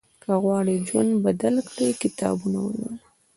که غواړې ژوند بدل کړې، کتابونه ولوله.